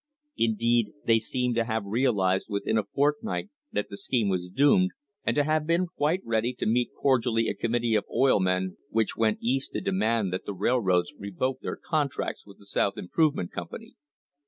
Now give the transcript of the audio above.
Indeed, they seem to have realised within a fortnight that the scheme was doomed, and to have been quite ready to meet cordially a committee of oil men which THE HISTORY OF THE STANDARD OIL COMPANY went East to demand that the railroads revoke their contracts with the South Improvement Company.